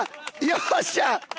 よっしゃあ！